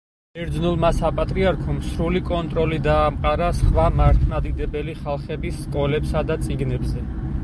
ბერძნულმა საპატრიარქომ სრული კონტროლი დაამყარა, სხვა მართმადიდებელი ხალხების სკოლებსა და წიგნებზე.